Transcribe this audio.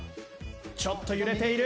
ちょっと揺れている。